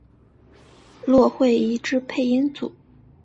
骆慧怡之配音组。